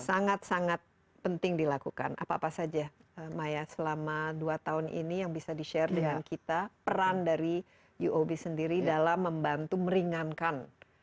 sangat sangat penting dilakukan apa apa saja maya selama dua tahun ini yang bisa di share dengan kita peran dari uob sendiri dalam membantu meringankan